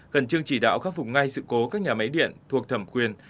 khẩn trương chỉ đạo khắc phục ngay sự cố các nhà máy điện thuộc thẩm quyền